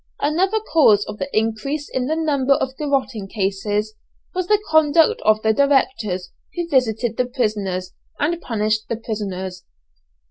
Another cause of the increase in the number of garotting cases, was the conduct of the directors who visited the prisoners and punished the prisoners.